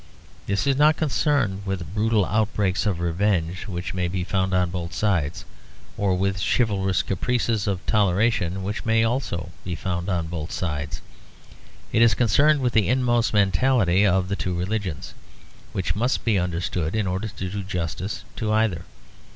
This is not concerned with brutal outbreaks of revenge which may be found on both sides, or with chivalrous caprices of toleration, which may also be found on both sides; it is concerned with the inmost mentality of the two religions, which must be understood in order to do justice to either.